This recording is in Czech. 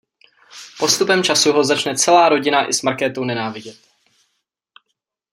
Postupem času ho začne celá rodina i s Markétou nenávidět.